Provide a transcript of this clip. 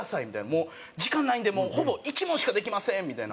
もう時間ないんでほぼ１問しかできませんみたいな。